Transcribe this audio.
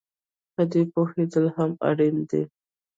په دې پوهېدل هم اړین دي